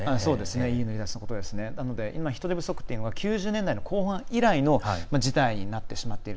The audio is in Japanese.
なので今、人手不足っていうのが後半以来の事態になってしまっている。